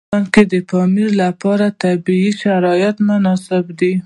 په افغانستان کې د پامیر لپاره طبیعي شرایط مناسب دي.